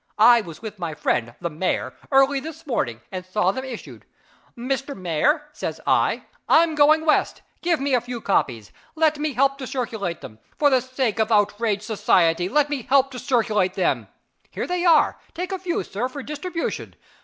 I was with my friend the mayor, early this morning, and saw them issued. 'Mr. Mayor,' says I, 'I'm going West give me a few copies let me help to circulate them for the sake of outraged society, let me help to circulate them. Here they are take a few, sir, for distribution.